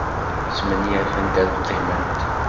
Smenyafent ad qqiment.